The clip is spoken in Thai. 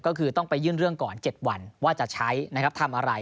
ก็คือต้องไปยื่นเรื่องก่อน๗วันว่าจะใช้นะครับทำอะไร